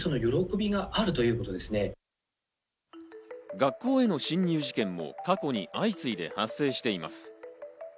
学校への侵入事件も過去に相次いで発生しています。